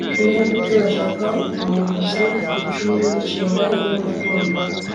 ni gute bashaka umuzi (igicumbi ) w'inshinga iri mu mbundo